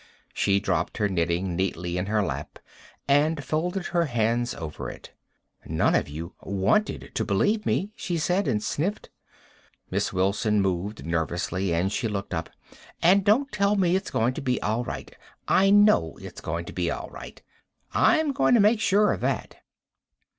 She dropped her knitting neatly in her lap and folded her hands over it. "None of you wanted to believe me," she said, and sniffed. Miss Wilson moved nervously and she looked up. "And don't tell me it's going to be all right. I know it's going to be all right. I'm going to make sure of that."